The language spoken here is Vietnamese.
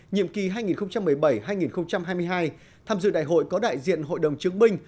nhiệm kỳ hai nghìn một mươi bảy hai nghìn hai mươi hai tham dự đại hội có đại diện hội đồng chứng binh